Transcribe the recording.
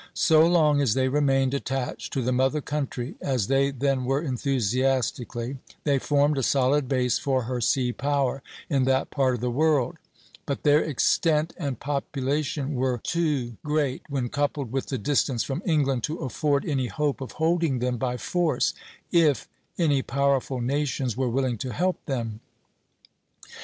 So long as they remained attached to the mother country, as they then were enthusiastically, they formed a solid base for her sea power in that part of the world; but their extent and population were too great, when coupled with the distance from England, to afford any hope of holding them by force, if any powerful nations were willing to help them.